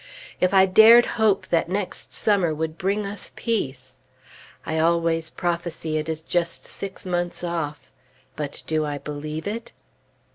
If I dared hope that next summer would bring us Peace! I always prophesy it just six months off; but do I believe it?